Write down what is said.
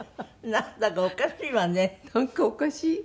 なんかおかしい。